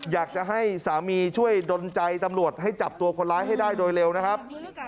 อยากจะให้สามีช่วยดนใจตำรวจให้จับตัวคนร้ายให้ได้โดยเร็วนะครับ